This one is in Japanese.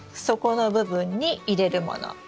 底の部分に入れるもの